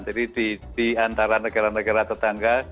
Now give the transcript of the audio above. jadi di antara negara negara tetangga